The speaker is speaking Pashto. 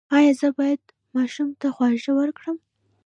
ایا زه باید ماشوم ته خواږه ورکړم؟